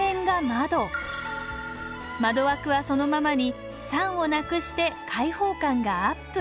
窓枠はそのままに桟をなくして開放感がアップ。